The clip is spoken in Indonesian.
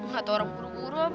gak tau orang guru guru apa